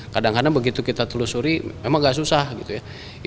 kadang kadang begitu kita telusuri memang agak susah gitu ya